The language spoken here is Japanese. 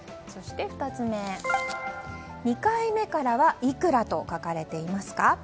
そして２つ目、２回目からはいくらと書かれていますか？